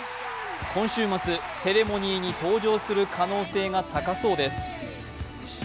今週末、セレモニーに登場する可能性が高そうです。